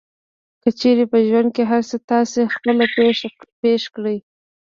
که چېرې په ژوند کې هر څه تاسې خپله پېښ کړئ.